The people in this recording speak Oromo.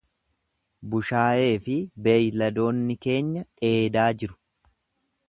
Bushaayee fi beeyladoonni keenya dheedaa jiru.